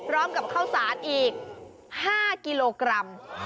กับข้าวสารอีก๕กิโลกรัม